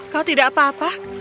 kau tidak apa apa